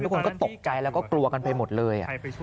ทุกคนก็ตกใจแล้วก็กลัวกันไปหมดเลย